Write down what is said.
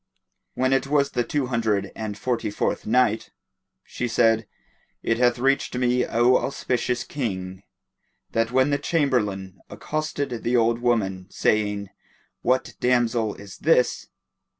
When it was the Two Hundred and Forty fourth Night, She said, It hath reached me, O auspicious King, that when the Chamberlain accosted the old woman, saying, "What damsel is this?"